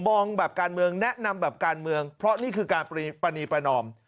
มองแบบการเมืองแนะนำแบบการเมืองเพราะนี่คือการปรณีประนอม